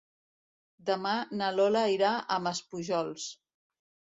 Demà na Lola irà a Maspujols.